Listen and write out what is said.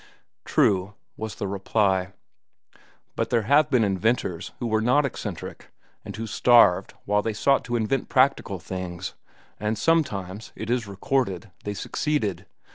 "True," was the reply. "But there have been inventors who were not eccentric and who starved while they sought to invent practical things; and sometimes, it is recorded, they succeeded.